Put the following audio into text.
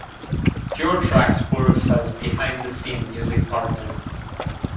Puretracks works as a behind-the-scene music partner.